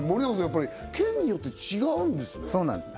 やっぱり県によって違うんですねそうなんです